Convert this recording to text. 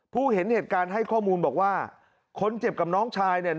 เห็นเหตุการณ์ให้ข้อมูลบอกว่าคนเจ็บกับน้องชายเนี่ย